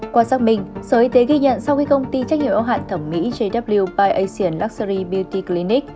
qua xác minh sở y tế ghi nhận sau khi công ty trách nhiệm yếu hạn thẩm mỹ jw by asian luxury beauty clinic